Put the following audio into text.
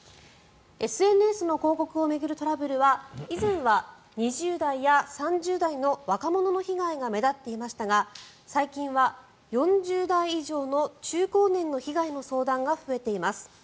ＳＮＳの広告を巡るトラブルは以前は２０代や３０代の若者の被害が目立っていましたが最近は４０代以上の中高年の被害の相談が増えています。